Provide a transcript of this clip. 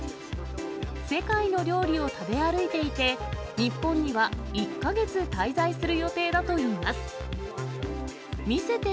世界の料理を食べ歩いていて、日本には１か月滞在する予定だといいます。